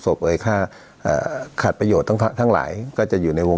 เอ่ยค่าขาดประโยชน์ทั้งหลายก็จะอยู่ในวง